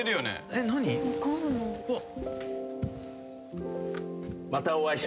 えっ？